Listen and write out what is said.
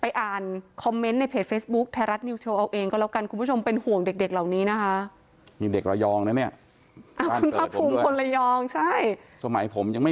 อ่านคอมเมนต์ในเพจเฟซบุ๊คไทยรัฐนิวโชว์เอาเองก็แล้วกันคุณผู้ชมเป็นห่วงเด็กเหล่านี้นะคะ